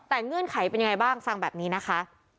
แต่เงื่อนไขเป็นยังไงบ้างฟังแบบนี้นะคะ